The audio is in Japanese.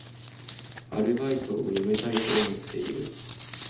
アルバイトを辞めたいと思っている